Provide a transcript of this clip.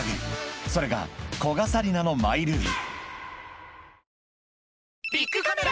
［それが古賀紗理那のマイルール］